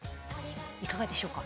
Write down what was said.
いかがでしょうか？